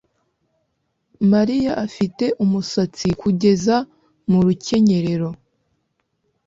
Mariya afite umusatsi kugeza mu rukenyerero